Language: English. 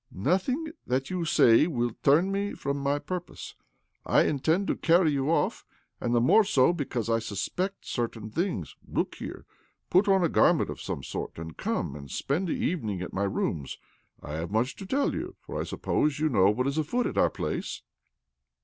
" Nothing that you can say will turn me from my purpose. I intend to carry you off, arid the more so because I suspect certain things. Look here. Put on a garment of some sort, arid come and spend the evening at my rooms. I have much to tell you, for I suppose you know what is afoot at our place